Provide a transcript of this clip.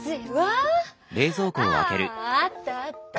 ああったあった。